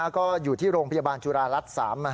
ก็อยู่ที่โรงพยาบาลจุฬารัฐ๓